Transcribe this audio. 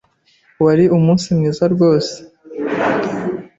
Wari umunsi mwiza rwose.